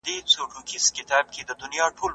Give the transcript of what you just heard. زه اوبه نه پاکوم!!